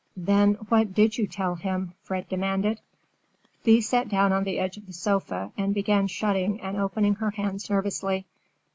"Then, what did you tell him?" Fred demanded. Thea sat down on the edge of the sofa and began shutting and opening her hands nervously.